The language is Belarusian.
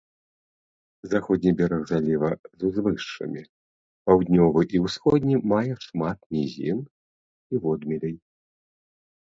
Заходні бераг заліва з узвышшамі, паўднёвы і ўсходні мае шмат нізін і водмелей.